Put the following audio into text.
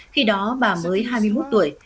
khi đó bà mới hai mươi một tuổi